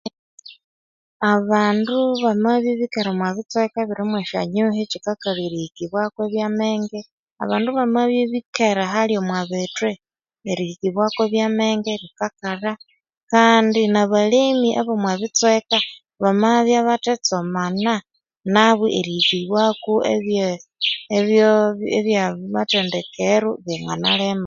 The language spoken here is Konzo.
Abandu bamabya ibikere omwabitsweka ebirimwesyonyuhi chikakalha erihikibwa kwebya menge abandu bamabya ibikere halhi omwabithwa erihikibwa kwebya menge chikakalha, Kandi nabalemi abomwabitsweka bamabyabathatsomana nabo erihikibwa kwebyamathendekero lyanganalema